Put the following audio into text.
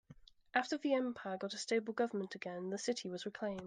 After the empire got a stable government again, the city was reclaimed.